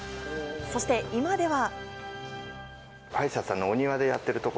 そして今では。